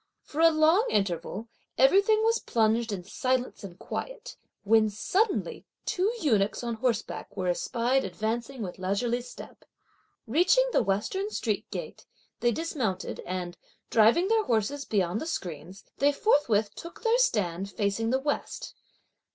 For a long interval, everything was plunged in silence and quiet; when suddenly two eunuchs on horseback were espied advancing with leisurely step. Reaching the western street gate, they dismounted, and, driving their horses beyond the screens, they forthwith took their stand facing the west.